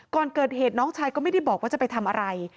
ก่อนเกิดเหตุน้องชายก็ไม่ได้บอกว่าจะไปทำอะไร